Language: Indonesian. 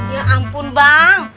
ya ampun bang